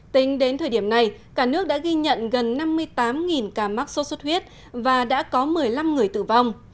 tính đến thời điểm này cả nước đã ghi nhận gần năm mươi tám ca mắc sốt xuất huyết và đã có một mươi năm người tử vong